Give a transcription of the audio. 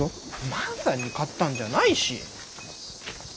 万さんに買ったんじゃないし！